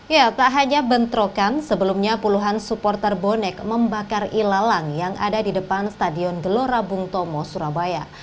ya tak hanya bentrokan sebelumnya puluhan supporter bonek membakar ilalang yang ada di depan stadion gelora bung tomo surabaya